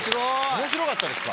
面白かったですか？